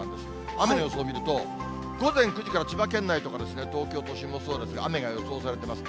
雨の予想を見ると、午前９時から千葉県内とかですね、東京都心もそうですが、雨が予想されています。